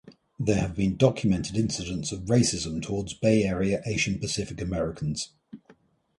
There have been documented incidents of racism towards Bay Area Asian Pacific Americans.